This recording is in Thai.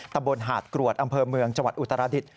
ตะบนหาดกรวดอำเภอเมืองจวัดอุตราฤทธิ์